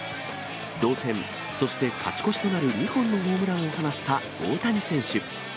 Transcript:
同点、そして勝ち越しとなる２本のホームランを放った大谷選手。